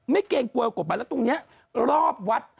เกรงกลัวกฎหมายแล้วตรงนี้รอบวัด